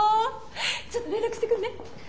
ちょっと連絡してくるね。